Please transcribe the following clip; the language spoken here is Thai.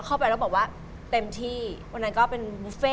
กับตัวเผ็ด